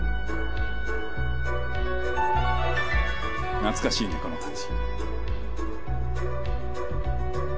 懐かしいねこの感じ。